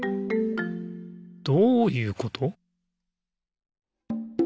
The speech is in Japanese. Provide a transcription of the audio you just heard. どういうこと？